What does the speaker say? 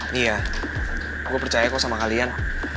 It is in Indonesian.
nih ya aku percaya kok sama kalian